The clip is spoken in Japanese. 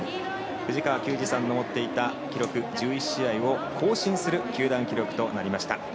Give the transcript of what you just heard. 藤川球児さんの持っていた記録１１試合を更新する球団記録となりました。